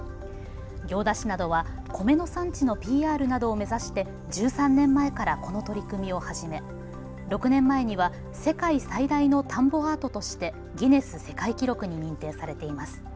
行田市などは米の産地のＰＲなどを目指して１３年前からこの取り組みを始め６年前には世界最大の田んぼアートとしてギネス世界記録に認定されています。